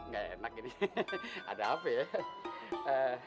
gak enak ini ada apa ya